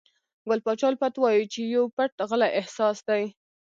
ګل پاچا الفت وایي چې پو پټ غلی احساس دی.